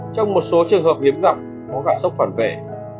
trong một số trường hợp hiếm gặp có gạt sốc phản vẻ